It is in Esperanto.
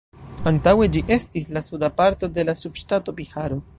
Antaŭe, ĝi estis la suda parto de la subŝtato Biharo.